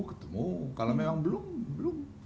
ketemu kalau memang belum